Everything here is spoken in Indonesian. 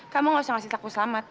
kamu nggak usah ngasih aku selamat